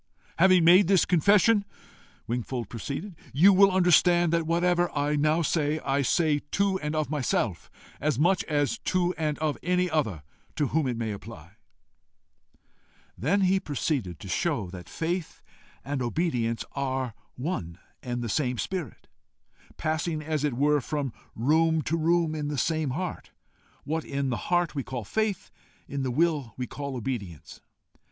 "Having made this confession," Wingfold proceeded, "you will understand that whatever I now say, I say to and of myself as much as to and of any other to whom it may apply." He then proceeded to show that faith and obedience are one and the same spirit, passing as it were from room to room in the same heart: what in the heart we call faith, in the will we call obedience.